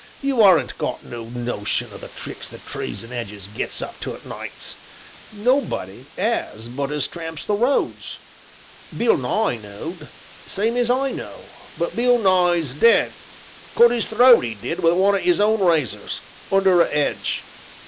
you aren't got no notion o' the tricks the trees and 'edges gets up to a' nights nobody 'as but us as tramps the roads. Bill Nye knowed, same as I know, but Bill Nye's dead; cut 'is throat, 'e did, wi' one o' 'is own razors under a 'edge."